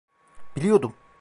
Biliyordum.